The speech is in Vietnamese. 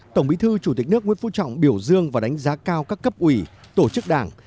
tổng bí thư chủ tịch nước nguyễn phú trọng biểu dương và đánh giá cao các cấp ủy tổ chức đảng